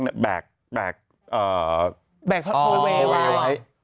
ก็มียักษ์แบกโอเวย์ไว้